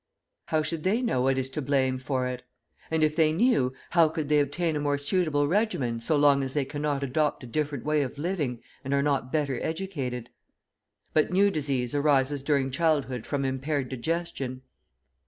How should they know what is to blame for it? And if they knew, how could they obtain a more suitable regimen so long as they cannot adopt a different way of living and are not better educated? But new disease arises during childhood from impaired digestion.